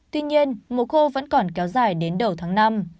tuy nhiên mùa khô vẫn còn kéo dài đến đầu tháng năm